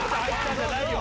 じゃないよ！